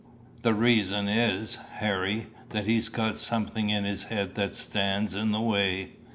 "The reason is, Harry, that he's got something in his head that stands in the way."